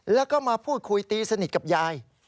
แล้วก็มาพูดคุยตีสนิทกับยาย